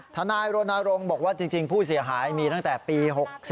ทนายรณรงค์บอกว่าจริงผู้เสียหายมีตั้งแต่ปี๖๔